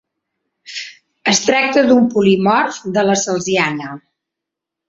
Es tracta d'un polimorf de la celsiana.